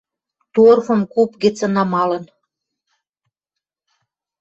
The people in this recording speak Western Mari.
Торфым куп гӹцӹн намалын